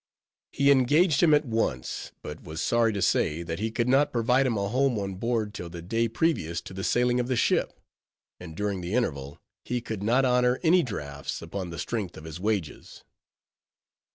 He engaged him at once; but was sorry to say, that he could not provide him a home on board till the day previous to the sailing of the ship; and during the interval, he could not honor any drafts upon the strength of his wages.